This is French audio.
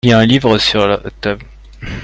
Il y a un livre sutr la table.